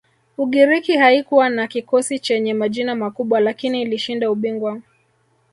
ugiriki haikuwa na kikosi chenye majina makubwa lakini ilishinda ubingwa